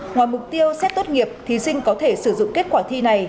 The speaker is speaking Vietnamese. ngoài mục tiêu xét tốt nghiệp thí sinh có thể sử dụng kết quả thi này